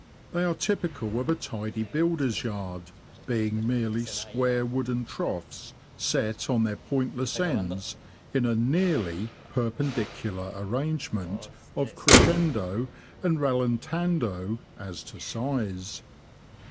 They are typical of a tidy builder's yard, being merely square wooden troughs, set on their pointless ends, in a nearly per pendicular arrangement of crescendo and rallentando as to size.